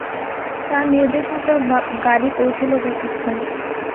তার নির্দেশমত গাড়ি পৌঁছল যথাস্থানে।